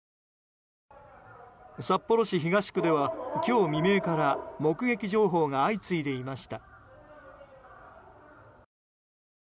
札幌市東区では今日未明から目撃情報が相次いでいました。